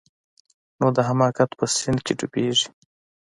نو د حماقت په سيند کښې ډوبېږي.